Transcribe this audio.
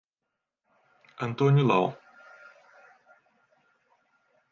Antônio Lau